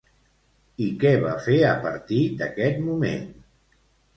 I què va fer a partir d'aquest moment?